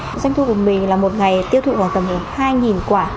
doanh thu của mình là một ngày tiêu thụ khoảng tầm hai quả